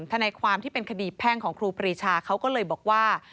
ทนายความที่เป็นคดีแพ่งของครูปรีชาเขาก็เลยบอกว่า